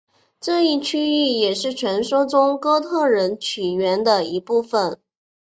这一区域也是传说中哥特人起源的一部分。